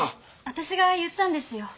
私が言ったんですよ。